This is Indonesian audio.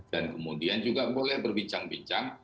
dan kemudian juga boleh berbincang bincang